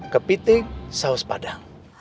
kepiting saus padang